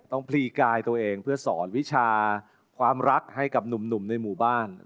ตกพลีก้ายตัวเองเผื่อสอนวิชาความรักให้กับหนุ่มจึงตอนแดกอยู่แหละ